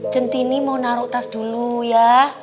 cinti ini mau taruh tas dulu ya